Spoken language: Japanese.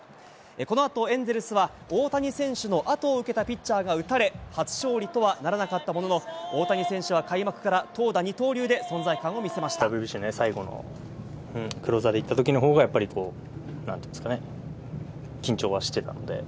このあと、エンゼルスは大谷選手の後を受けたピッチャーが打たれ、初勝利とはならなかったものの、大谷選手は開幕から投打二刀流で存在感をＷＢＣの最後、クローザーでいったときのほうが、やっぱりなんていうんですかね、緊張はしてたので。